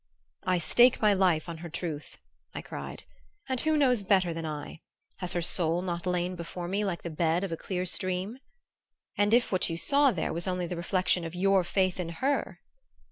"I stake my life on her truth," I cried, "and who knows better than I? Has her soul not lain before me like the bed of a clear stream?" "And if what you saw there was only the reflection of your faith in her?"